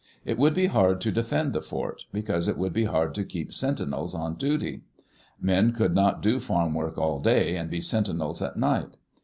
It would be hard to defend the fort, because it would be hard to keep sentinels on duty. Men could not do farm work all day and be sentinels at night.